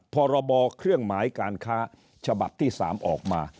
พรบเครื่องหมายการค้าฉบับที่๓ออกมา